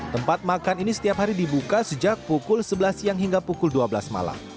tempat makan ini setiap hari dibuka sejak pukul sebelas siang hingga pukul dua belas malam